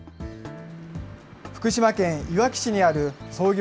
福島県いわき市にある創業